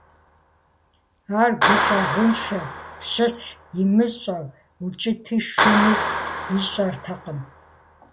Ар гущӀэгъуншэт щысхь имыщӀэу, укӏыти шыни ищӏэртэкъым.